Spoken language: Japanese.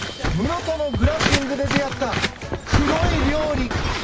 室戸のグランピングで出合った黒い料理。